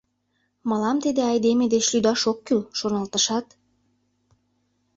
Мылам тиде айдеме деч лӱдаш ок кӱл», — шоналтышат